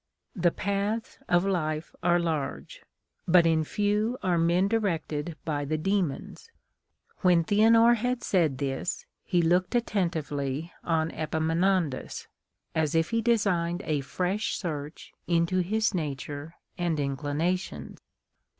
The paths of life ai'e large, but in few are men directed by the Demons. When Theanor had said this, he looked attentively on Epaminondas, as if he designed a fresh search into his nature and inclinations."